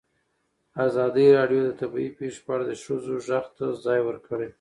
ازادي راډیو د طبیعي پېښې په اړه د ښځو غږ ته ځای ورکړی.